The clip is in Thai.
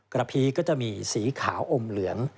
พีก็จะมีสีขาวอมเหลือง